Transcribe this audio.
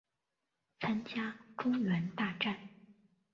参加中原大战。